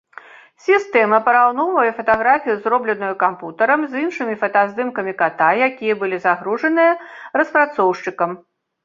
Сістэма параўноўвае фатаграфію, зробленую кампутарам, з іншымі фотаздымкамі ката, якія былі загружаныя распрацоўшчыкам.